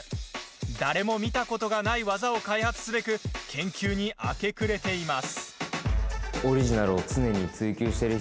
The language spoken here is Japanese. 誰も見たことがない技を開発すべく研究に明け暮れています。